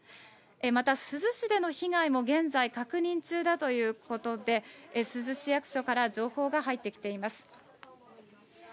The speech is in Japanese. また、珠洲市での被害も現在確認中だということで、珠洲市役所から情報が入ってきています。